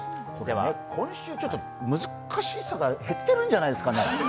今週、ちょっと難しさが減ってるんじゃないですかね。